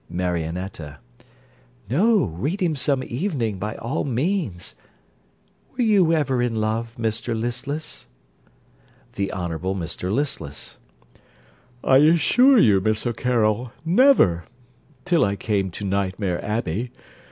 MARIONETTA No, read him some evening, by all means. Were you ever in love, Mr Listless? THE HONOURABLE MR LISTLESS I assure you, Miss O'Carroll, never till I came to Nightmare Abbey.